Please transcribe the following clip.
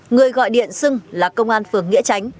người gọi điện xưng là công an phường nghĩa tránh